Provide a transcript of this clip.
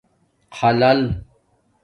خلل